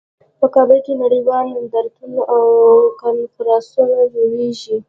په کابل کې نړیوال نندارتونونه او کنفرانسونه جوړیږي